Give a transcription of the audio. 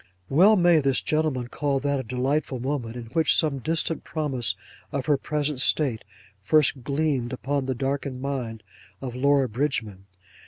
Well may this gentleman call that a delightful moment, in which some distant promise of her present state first gleamed upon the darkened mind of Laura Bridgman.